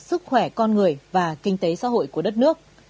sức khỏe con người và kinh tế xã hội của đất nước